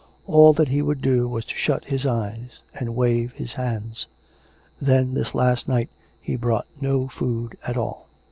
All that he would do was to shut his eyes and wave his hands. Then this last night he brought no food at all.